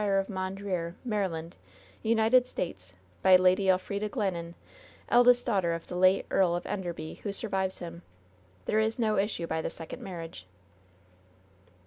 of Mondreer, Maryland, United States, by Lady Elfrida Glennon, eldest daughter of the late Earl of Enderby, who survives him. There is no issue by the second marriage."